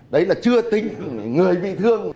đấy là chưa tính người bị thương